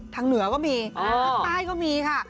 เหนือก็มีภาคใต้ก็มีค่ะ